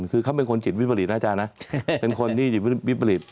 คือเขาเป็นคนจิตวิทย์ผลิตนะอาจารย์นะเป็นคนที่จิตวิทย์ผลิต